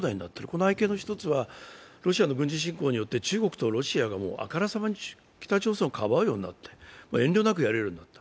この背景の一つはロシアの軍事侵攻によって中国やロシアがあからさまに北朝鮮をかばうようになって、遠慮なくやれるようになった。